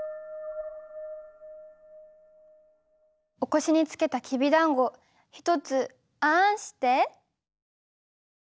お腰につけたきびだんご一つあんして？